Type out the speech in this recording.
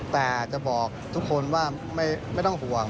แต่จะบอกทุกคนว่าไม่ต้องห่วง